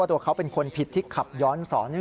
ตัวเขาเป็นคนผิดที่ขับย้อนสอน